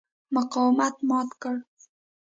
مقاومت مات کړ.